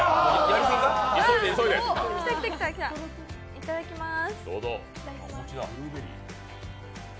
いただきまーす。